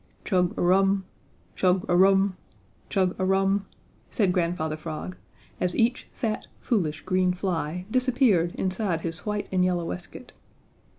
"Chug a rum! Chug a rum! Chug a rum!" said Grandfather Frog, as each fat, foolish, green fly disappeared inside his white and yellow waistcoat.